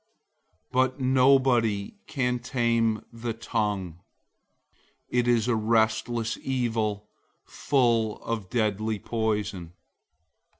003:008 But nobody can tame the tongue. It is a restless evil, full of deadly poison.